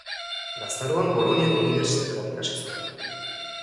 Gaztaroan Boloniako Unibertsitatean ikasi zuen.